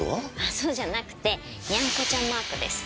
そうじゃなくてにゃんこちゃんマークです。